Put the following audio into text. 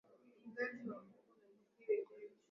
kutumia Kiingereza wakiona ni lugha bora Lakini